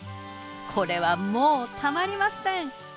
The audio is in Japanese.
これはもうたまりません！